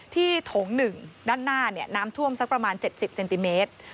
ที่ถงหนึ่งด้านหน้าเนี่ยน้ำท่วมสักประมาณ๗๐เซนติเมตร